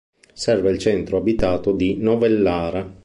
Serve il centro abitato di Novellara.